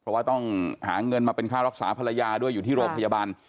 เพราะว่าต้องหาเงินมาเป็นค่ารักษาภรรยาด้วยอยู่ที่โรงพยาบาล